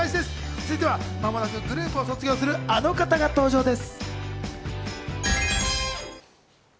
続いては間もなくグループを卒業するあの方が登場です。